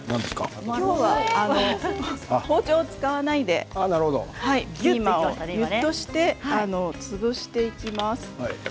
今日は包丁を使わないでピーマンぎゅっと押して潰していきます。